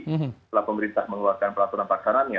setelah pemerintah mengeluarkan peraturan paksaannya